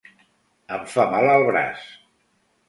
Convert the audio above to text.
Em fa mal al braç.